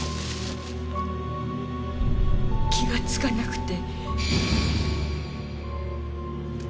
気がつかなくて。